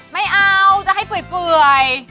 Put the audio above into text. ไม่เอาจะให้เปื่อย